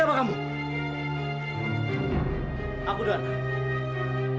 aku sudah berhenti